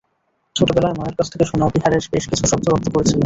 ছোটবেলায় মায়ের কাছ থেকে শোনা বিহারের বেশ কিছু শব্দ রপ্ত করেছিলেন।